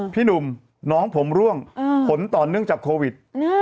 พี่หนุ่มน้องผมร่วงผลต่อเนื่องจากโควิด